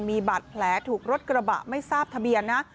มีบาดแผลถูกรถกระบะไม่ทราบทะเบียนนะ